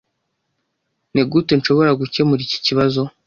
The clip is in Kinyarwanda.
Nigute nshobora gukemura iki kibazo?